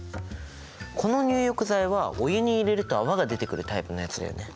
この入浴剤はお湯に入れると泡が出てくるタイプのやつだよね。